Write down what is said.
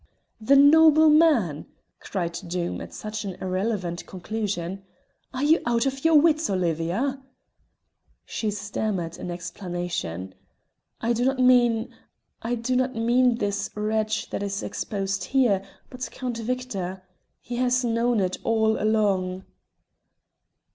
"The noble man!" cried Doom at such an irrelevant conclusion. "Are you out of your wits, Olivia?" She stammered an explanation. "I do not mean I do not mean this wretch that is exposed here, but Count Victor. He has known it all along."